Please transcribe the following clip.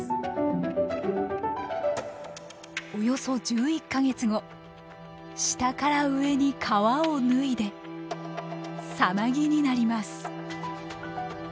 およそ１１か月後下から上に皮を脱いで蛹になります。